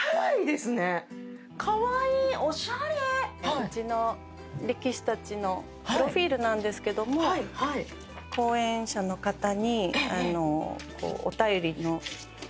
うちの力士たちのプロフィルなんですけども後援者の方にお便りのするんですね。